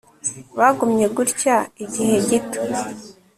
Bagumye gutya igihe gito